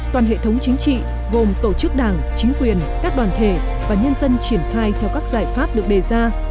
toàn hệ thống chính trị gồm tổ chức đảng chính quyền các đoàn thể và nhân dân triển khai theo các giải pháp được đề ra